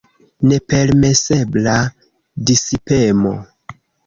Nepermesebla disipemo.